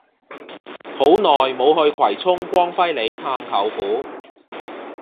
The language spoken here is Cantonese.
好耐無去葵涌光輝里探舅父